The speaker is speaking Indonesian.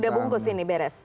udah bungkus ini beres